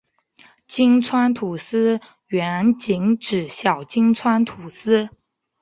金川土司原仅指小金川土司。